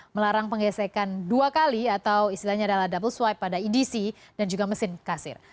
melarang penggesekan dua kali atau istilahnya adalah double swipe pada edc dan juga mesin kasir